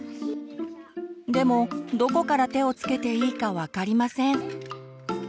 でもどこから手をつけていいか分かりません。